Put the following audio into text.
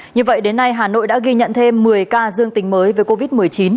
như vậy đến nay hà nội đã ghi nhận thêm một mươi ca dương tính mới về covid một mươi chín